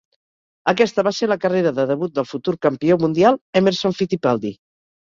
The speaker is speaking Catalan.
Aquesta va ser la carrera de debut del futur campió mundial Emerson Fittipaldi.